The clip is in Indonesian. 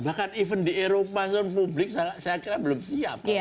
bahkan even di eropa ruang publik saya kira belum siap